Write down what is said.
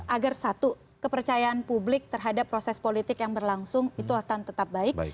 agar satu kepercayaan publik terhadap proses politik yang berlangsung itu akan tetap baik